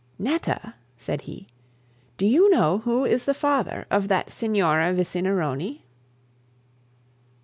'Netta,' said he, 'do you know who is the father of that Signora Vicinironi?'